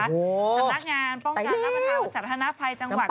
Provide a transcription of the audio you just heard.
โอ้โฮสำนักงานป้องกันนักประทาวนสัตว์ธนาภัยจังหวัด